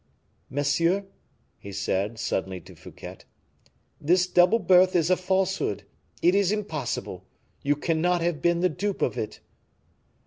"Monsieur," he said, suddenly to Fouquet, "this double birth is a falsehood; it is impossible you cannot have been the dupe of it."